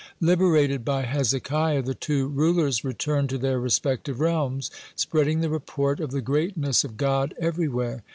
Liberated by Hezekiah, the two rulers returned to their respective realms, spreading the report of the greatness of God everywhere.